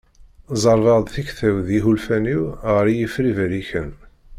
Ẓerrbeɣ-d tikta-w d yiḥulfan-iw ɣer yifri berriken.